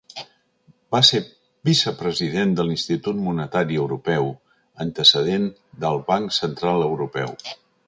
Va ser vicepresident de l'Institut Monetari Europeu, antecedent del Banc Central Europeu.